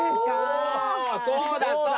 おそうだそうだ！